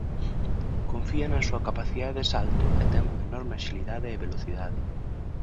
Confía na súa capacidade de salto e ten unha enorme axilidade e velocidade.